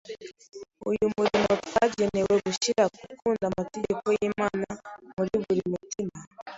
Uyu murimo wagenewe gushyira gukunda amategeko y’Imana muri buri mutima